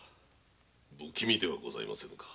不気味ではございませんか。